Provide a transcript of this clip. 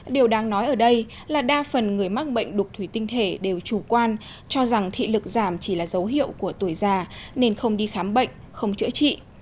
điều đáng nói ở đây là đa phần người mắc bệnh đục thủy tinh thể đều chủ quan cho rằng thị lực giảm chỉ là dấu hiệu của tuổi già nên không đi khám bệnh không chữa trị